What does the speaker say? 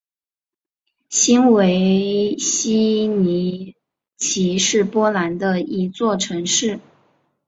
新维希尼奇是波兰的一座城市。